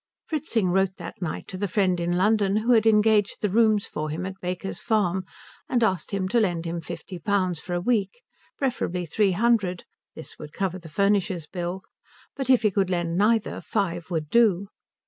Fritzing wrote that night to the friend in London who had engaged the rooms for him at Baker's Farm, and asked him to lend him fifty pounds for a week, preferably three hundred (this would cover the furnisher's bill), but if he could lend neither five would do.